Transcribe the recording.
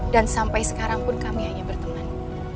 dan sampai sekarang pun kami hanya berteman